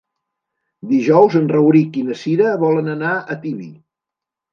Dijous en Rauric i na Cira volen anar a Tibi.